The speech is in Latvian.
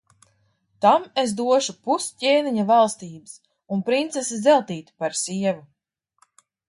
Tam es došu pus ķēniņa valstības un princesi Zeltīti par sievu.